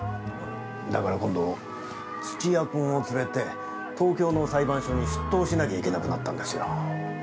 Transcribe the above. だから今度土谷君を連れて東京の裁判所に出頭しなきゃいけなくなったんですよ。